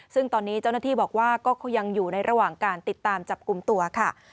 ซึ่งตอนนี้เจ้าหน้าที่บอกว่าก็ยังอยู่ในระหว่างการติดตามจับกลุ่มตัวค่ะ